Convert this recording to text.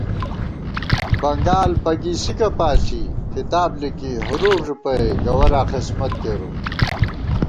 بنگال پَگِسِکہ پاݪی کِتاب لِکی حروف ݫُپَئ گوَراں خسمت کېرُوم